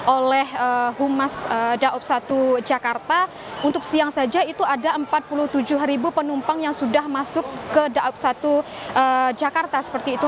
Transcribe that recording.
oleh humas daob satu jakarta untuk siang saja itu ada empat puluh tujuh penumpang yang sudah masuk ke daob satu jakarta seperti itu